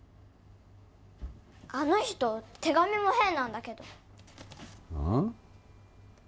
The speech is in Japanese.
あの人手紙も変なんだけどうん？